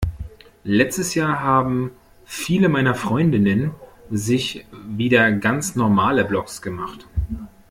Letztes Jahr haben viele meiner Freundinnen sich wieder ganz normale Blogs gemacht.